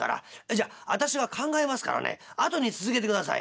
じゃあ私が考えますからね後に続けて下さい。